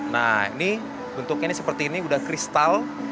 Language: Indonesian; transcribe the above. nah ini bentuknya seperti ini sudah kristal